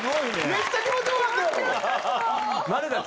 めっちゃ気持ち良かった。